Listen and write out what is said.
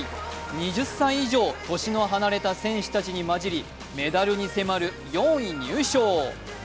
２０歳以上、年の離れた選手たちに交じりメダルに迫る４位入賞。